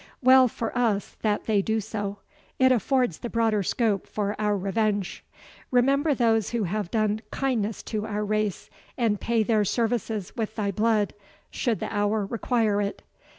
Well for us that they do so it affords the broader scope for our revenge. Remember those who have done kindness to our race, and pay their services with thy blood, should the hour require it.